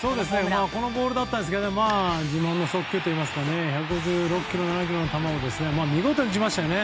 このボールですけど速球といいますかね１５６キロ、１５７キロの球を見事に打ちましたね。